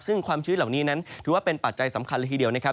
ซึ่งความชื้นเหล่านี้นั้นถือว่าเป็นปัจจัยสำคัญเลยทีเดียวนะครับ